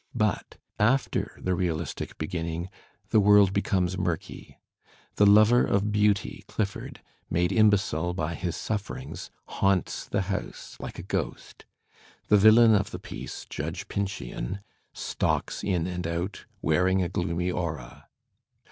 But after the realistic beginning, the world becomes murky. The lover of beauty, Clifford, made imbecile by his sufferings, haunts the house like a ghost. The villain of the piece. Judge luncheon, stalks in and out, wearing a gloomy aura.